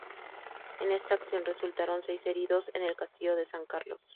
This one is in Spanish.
En esta acción resultaron seis heridos en el castillo San Carlos.